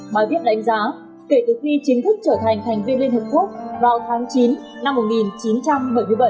bài viết đánh giá kể từ khi chính thức trở thành thành viên liên hợp quốc vào tháng chín năm một nghìn chín trăm bảy mươi bảy